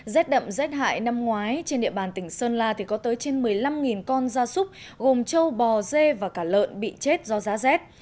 rét đậm rét hại năm ngoái trên địa bàn tỉnh sơn la thì có tới trên một mươi năm con da súc gồm châu bò dê và cả lợn bị chết do giá rét